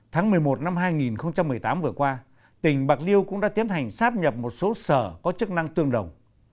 tháng một mươi một năm hai nghìn một mươi tám vừa qua tỉnh bạc liêu cũng đã tiến hành sáp nhập một số sở có chức năng tương đồng